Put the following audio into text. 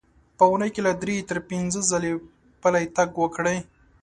په اوونۍ کې له درې تر پنځه ځله پلی تګ وکړئ.